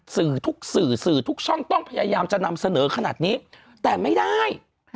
สื่อทุกสื่อสื่อทุกช่องต้องพยายามจะนำเสนอขนาดนี้แต่ไม่ได้